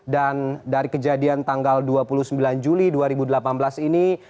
dan dari kejadian tanggal dua puluh sembilan juli dua ribu delapan belas ini